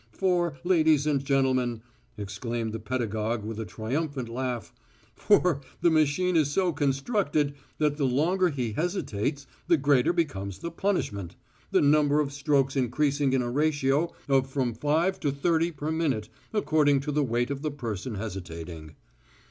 For, ladies and gentlemen" exclaimed the pedagogue with a triumphant laugh "for the machine is so constructed that the longer he hesitates the greater becomes the punishment, the number of strokes increasing in a ratio of from five to thirty per minute according to the weight of the person hesitating....